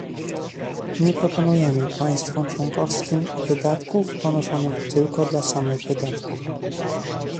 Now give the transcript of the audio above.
nie proponujemy państwom członkowskim wydatków ponoszonych tylko dla samych wydatków